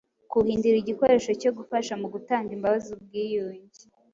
kuwuhindura igikoresho cyo gufasha mu gutanga imbabazi, ubwiyunge